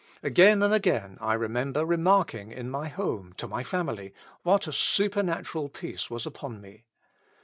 Again and again I remember remarking in my home, to my family, what a supernatural peace was upon me.